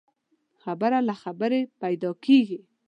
خبره له خبري پيدا کېږي.